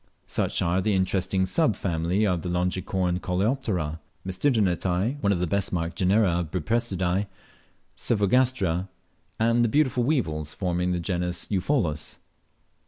Such are the interesting sub family of Longicorn coleoptera Tmesisternitae; one of the best marked genera of Buprestidae Cyphogastra; and the beautiful weevils forming the genus Eupholus.